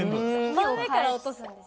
真上から落とすんですよね。